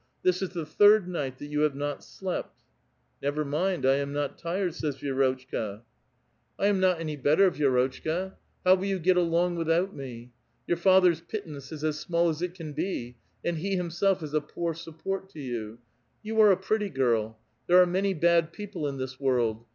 This is the thhd night that you have not slept." *' Never mind ; I am not tired," says Vi^rotchka. 168 A VITAL QUESTION. " I am not any better, Vi^rotchka. How will yon get along without me? Your father's pittance is as small as it can be, and he himself is a poor support to 30U. You are a pretty girl. There are many bad people in this world.